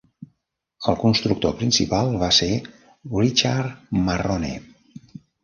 El constructor principal va ser Richard Marrone.